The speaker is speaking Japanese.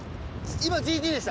今ＧＴでした？